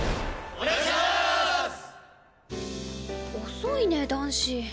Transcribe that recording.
遅いね男子。